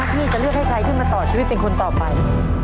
พี่จะเลือกให้ใครขึ้นมาต่อชีวิตเป็นคนต่อไป